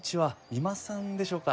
三馬さんでしょうか？